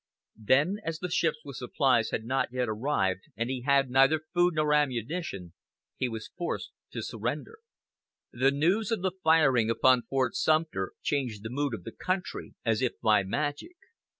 Then, as the ships with supplies had not yet arrived, and he had neither food nor ammunition, he was forced to surrender. The news of the firing upon Fort Sumter changed the mood of the country as if by magic.